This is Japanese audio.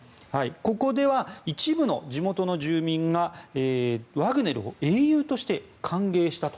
ここでは一部の地元の住民がワグネルを英雄として歓迎したと。